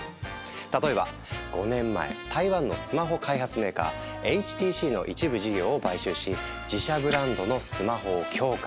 例えば５年前台湾のスマホ開発メーカーＨＴＣの一部事業を買収し自社ブランドのスマホを強化。